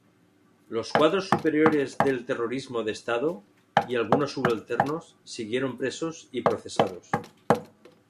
Los cuadros superiores del terrorismo de Estado y algunos subalternos siguieron presos y procesados.